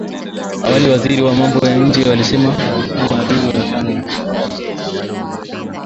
Awali waziri wa mambo ya nje alisema kuwa duru ya tano ya mazungumzo kati yao ingetarajiwa kuanza tena Jumatano.